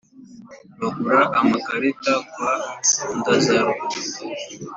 Bagura amakarita kwa Ndazaro.